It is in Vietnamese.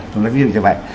tôi nói như vậy